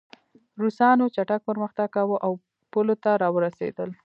روسانو چټک پرمختګ کاوه او پولو ته راورسېدل